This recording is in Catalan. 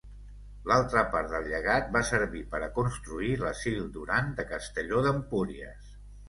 L'altra part del llegat va servir per a construir l'Asil Duran de Castelló d'Empúries.